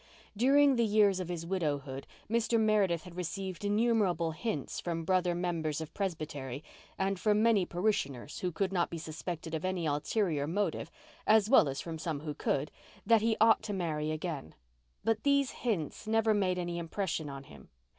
During the years of his widowhood Mr. Meredith had received innumerable hints from brother members of Presbytery and from many parishioners who could not be suspected of any ulterior motive, as well as from some who could, that he ought to marry again: But these hints never made any impression on him.